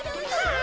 あ！